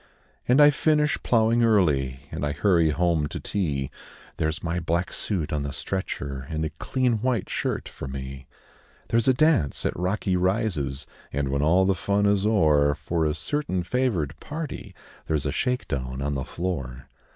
And I finish ploughing early, And I hurry home to tea There's my black suit on the stretcher, And a clean white shirt for me; There's a dance at Rocky Rises, And, when all the fun is o'er, For a certain favoured party There's a shake down on the floor.